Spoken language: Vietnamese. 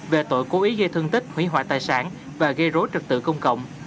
về tội cố ý gây thương tích hủy hoại tài sản và gây rối trật tự công cộng